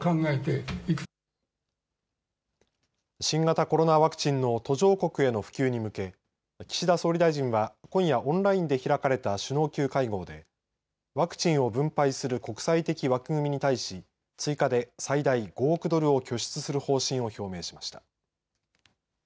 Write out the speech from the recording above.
新型コロナワクチンの途上国への普及に向け岸田総理大臣は今夜オンラインで開かれた首脳級会合でワクチンを分配する国際的枠組みに対し追加で最大５億ドルを拠出する方針を表明しました。